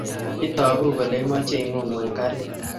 itagu kole imeche ingungu eng karit